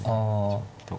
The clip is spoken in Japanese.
ちょっと。